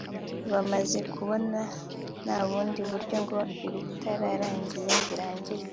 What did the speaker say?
Bamaze kubona nta bundi buryo ngo ibitararangiye birangire